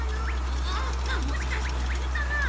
あっもしかしてあれかな？